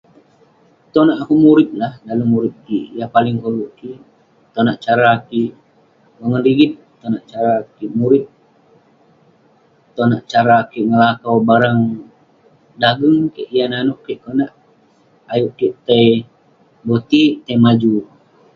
Tong daleh amik pun kejiak nat masa amik manuek lumak yeng jadi-jadi nok ineuk lumak pogeng patak yeng pun jakat neh yeng pun jian neh